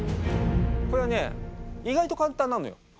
これはね意外と簡単なのよ。